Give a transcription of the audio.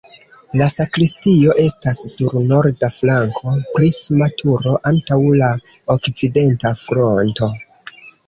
La sakristio estas sur norda flanko, prisma turo antaŭ la okcidenta fronto.